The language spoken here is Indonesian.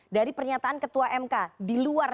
dari pernyataan ketua mk di luar